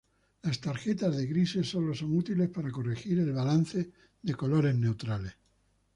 Las tarjetas de grises sólo son útiles para corregir el balance de colores neutrales.